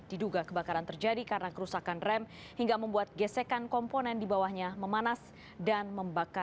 diduga kebakaran terjadi karena kerusakan rem hingga membuat gesekan komponen di bawahnya memanas dan membakar